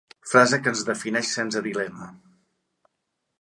Frase que ens defineix sense dilema.